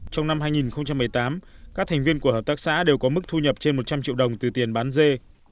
trong năm hai nghìn một mươi tám các thành viên của hợp tác xã đều có mức thu nhập trên một trăm linh triệu đồng từ tiền bán dê